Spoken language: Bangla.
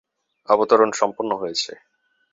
অবতরণ সম্পন্ন হয়েছে।